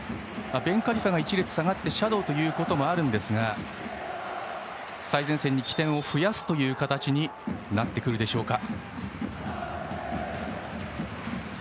ベンカリファが１列下がってシャドーということもあるんですが最前線に起点を増やすという形になってくるでしょうか。